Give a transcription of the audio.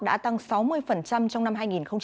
đã tăng sáu mươi trong năm hai nghìn hai mươi